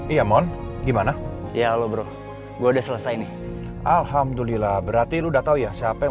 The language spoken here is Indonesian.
iya mohon gimana ya lo bro gue udah selesai nih alhamdulillah berarti lu udah tahu ya siapa yang